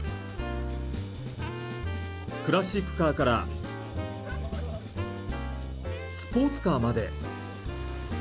クラシックカーからスポーツカーまで。